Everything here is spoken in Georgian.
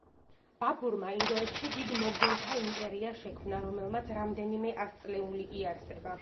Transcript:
ბაბურმა ინდოეთში დიდ მოგოლთა იმპერია შექმნა, რომელმაც რამდენიმე ასწლეული იარსება.